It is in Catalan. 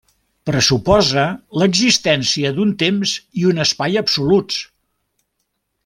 Pressuposa l'existència d'un temps i un espai absoluts.